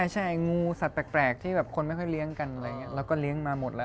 ใช่งูสัตวแปลกที่แบบคนไม่ค่อยเลี้ยงกันอะไรอย่างนี้เราก็เลี้ยงมาหมดแล้ว